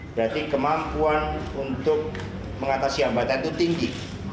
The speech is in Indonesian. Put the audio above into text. berarti kemampuan untuk mengatasi hambatan itu tinggi